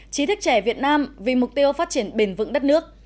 chí thức trẻ việt nam vì mục tiêu phát triển bền vững đất nước